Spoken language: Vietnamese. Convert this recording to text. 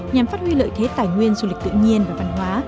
nhằm phát huy lợi thế tài nguyên du lịch tự nhiên và văn hóa